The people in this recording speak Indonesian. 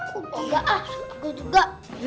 kok gak ah aku juga